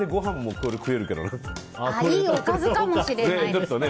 いいおかずかもしれないですね。